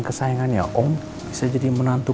kesayangannya om bisa jadi menantu